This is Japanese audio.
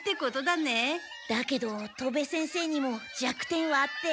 だけど戸部先生にも弱点はあって。